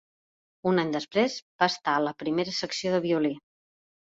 Un any després, va estar a la primera secció de violí.